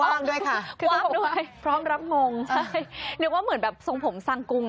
ว่างด้วยค่ะพร้อมรับมงค์ใช่นึกว่าเหมือนทรงผมสังกุง